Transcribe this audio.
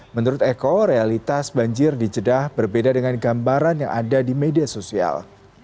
menurut eko realitas banjir di jeddah berbeda dengan gambaran yang ada di media sosial